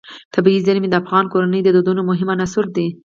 طبیعي زیرمې د افغان کورنیو د دودونو مهم عنصر دی.